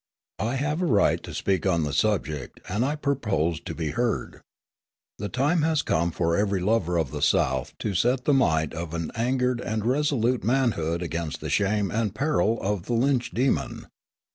"I have a right to speak on the subject, and I propose to be heard. The time has come for every lover of the South to set the might of an angered and resolute manhood against the shame and peril of the lynch demon.